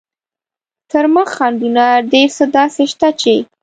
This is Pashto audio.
تر مخ خنډونه ډېر څه داسې شته چې.